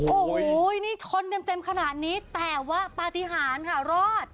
โอ้โหนี่ชนเต็มขนาดนี้แต่ว่าปฏิหารค่ะรอด